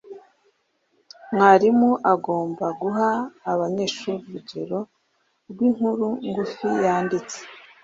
Mwarimu agomba guha abanyeshuri urugero rw’inkuru ngufi yanditse